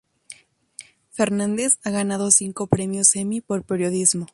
Fernández ha ganado cinco Premios Emmy por periodismo.